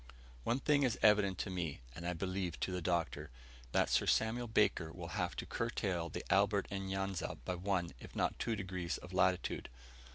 One thing is evident to me, and I believe to the Doctor, that Sir Samuel Baker will have to curtail the Albert N'Yanza by one, if not two degrees of latitude.